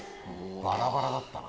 バラバラだったな。